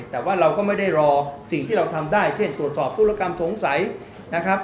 แต่ว่าเราก็ไม่ได้รอสิ่งที่เราทำได้เช่นตรวจสอบธุรกรรมสงสัยนะครับ